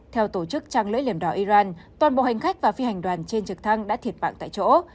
theo tổ chức trang lưỡi liềm đỏ iran toàn bộ hành khách và phi hành đoàn trên trực thăng đã thiệt mạng tại chỗ